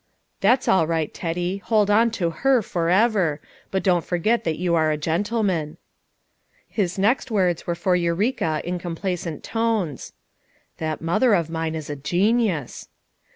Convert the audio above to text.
"That's all right, Teddy, hold on to her forever; but don't forget that yon are a gentle man." His next words were for Eureka in com placent tones: "That mother of mine is a genius."